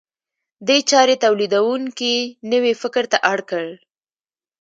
دې چارې تولیدونکي نوي فکر ته اړ کړل.